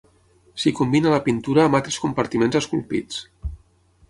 S'hi combina la pintura amb altres compartiments esculpits.